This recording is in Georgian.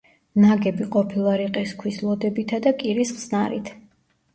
ნაგები ყოფილა რიყის ქვის ლოდებითა და კირის ხსნარით.